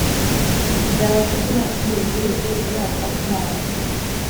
nzaba mfite imyaka cumi n'irindwi umwaka utaha